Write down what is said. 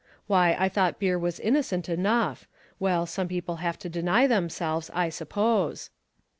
Why, I thought beer was innocent enough. Well, some people have to deny themselves, I suppose."